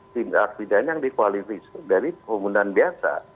tindak pidana yang dikualifikasi dari pembunuhan biasa